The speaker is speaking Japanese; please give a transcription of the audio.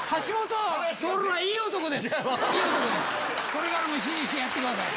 これからも支持してやってください。